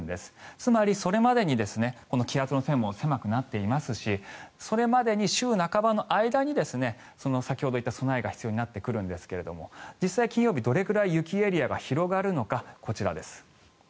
つまりそれまでに気圧の線も狭くなっていますしそれまでに週半ばの間に先ほど言った備えが必要になってくるんですが実際、金曜日どれくらい雪エリアが広がるのかこちらです。